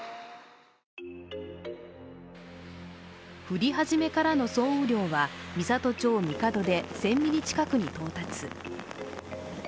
降り始めから総雨量が美郷町神門で１０００ミリ近くに到達。